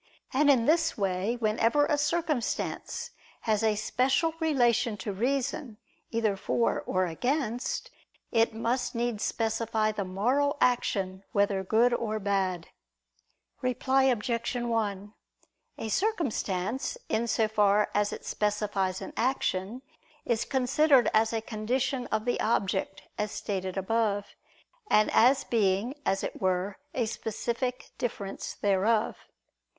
And in this way, whenever a circumstance has a special relation to reason, either for or against, it must needs specify the moral action whether good or bad. Reply Obj. 1: A circumstance, in so far as it specifies an action, is considered as a condition of the object, as stated above, and as being, as it were, a specific difference thereof.